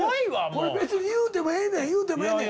これ別に言うてもええねん言うてもええねん。